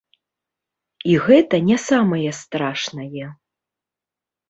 І гэта не самае страшнае.